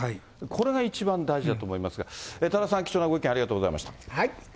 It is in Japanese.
これが一番大事だと思いますが、多田さん、貴重なご意見ありがとうございました。